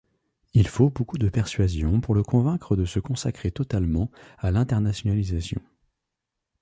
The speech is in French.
Il faut beaucoup de persuasion pour le convaincre de se consacrer totalement à l'internationalisation.